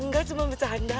enggak cuma bercanda